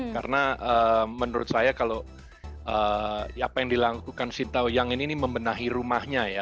karena menurut saya kalau apa yang dilakukan sintayang ini membenahi rumahnya ya